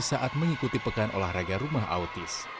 saat mengikuti pekan olahraga rumah autis